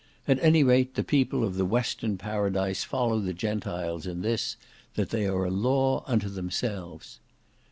At any rate the people of the Western Paradise follow the Gentiles in this, that they are a law unto themselves.